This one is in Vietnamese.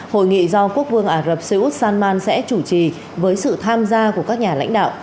hội nghị do quốc vương ả rập xê út salman sẽ chủ trì với sự tham gia của các nhà lãnh đạo